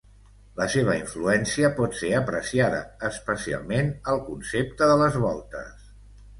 La seva influència pot ser apreciada, especialment, al concepte de les voltes.